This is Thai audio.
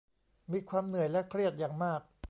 มีความเหนื่อยและเครียดอย่างมาก